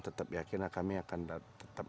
tetap yakin kami akan tetap